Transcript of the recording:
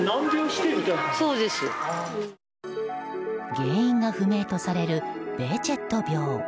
原因が不明とされるベーチェット病。